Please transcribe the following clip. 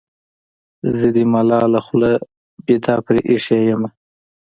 زه دې ملاله خوله وېده پرې اېښې یمه.